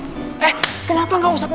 eh kenapa gak ustadz